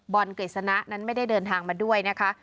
กฤษณะนั้นไม่ได้เดินทางมาด้วยนะคะ